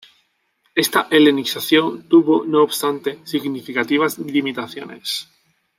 Esta helenización tuvo, no obstante, significativas limitaciones.